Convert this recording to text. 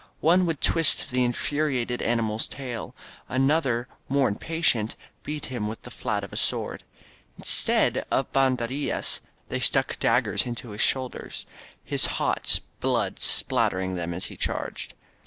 One would twist the infuriated animal's tail. Another, more impatient, beat him with the flat of a sword. Instead of ban derillas, they stuck daggers into his shoulder — ^his hot blood spattering them as he charged.